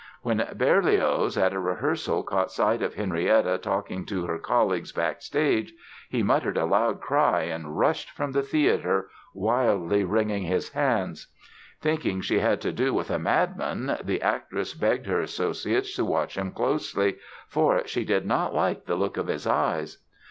When Berlioz at a rehearsal caught sight of Henrietta talking to her colleagues backstage he uttered a loud cry and rushed from the theatre, wildly wringing his hands. Thinking she had to do with a madman the actress begged her associates to watch him closely, for "she did not like the look of his eyes".